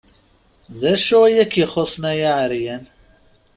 D acu i k-ixuṣṣen, ay aɛeryan?